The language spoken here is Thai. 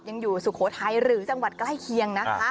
ยังอยู่สุโขไทยหรือ๖๙บริษัทใกล้เคียง